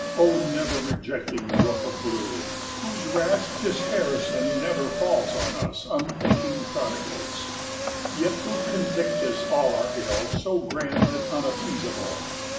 O never rejecting roof of blue, Whose rash disherison never falls On us unthinking prodigals, Yet who convictest all our ill, 50 So grand and unappeasable!